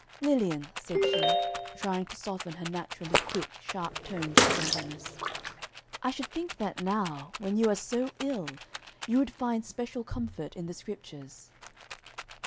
"Lilian," said she, trying to soften her naturally quick, sharp tones to gentleness, "I should think that now, when you are so ill, you would find special comfort in the Scriptures."